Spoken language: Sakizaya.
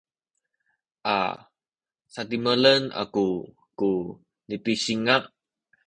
a sadimelen aku ku nipisinga’